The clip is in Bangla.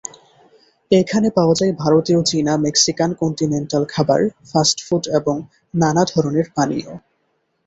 এখানে পাওয়া যায় ভারতীয়, চীনা, মেক্সিকান, কন্টিনেন্টাল খাবার, ফাস্টফুড এবং নানা ধরনের পানীয়।